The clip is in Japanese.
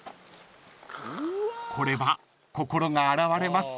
［これは心が洗われます］